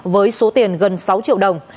với số tiền gần sáu triệu đồng